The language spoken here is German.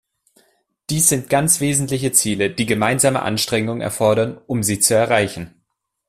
Dies sind ganz wesentliche Ziele, die gemeinsame Anstrengungen erfordern, um sie zu erreichen.